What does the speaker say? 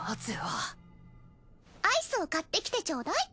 アイスを買ってきてちょうだい。